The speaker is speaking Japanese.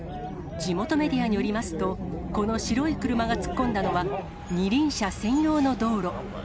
地元メディアによりますと、この白い車が突っ込んだのは、二輪車専用の道路。